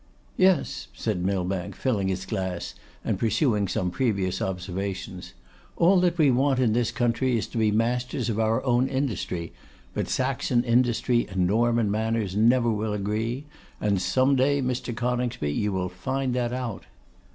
'Yes,' said Millbank, filling his glass, and pursuing some previous observations, 'all that we want in this country is to be masters of our own industry; but Saxon industry and Norman manners never will agree; and some day, Mr. Coningsby, you will find that out.